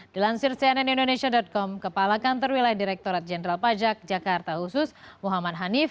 dilansir cnn indonesia com kepala kantor wilayah direkturat jenderal pajak jakarta khusus muhammad hanif